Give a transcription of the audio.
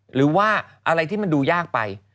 หรือว่าอะไรที่มันดูยากไป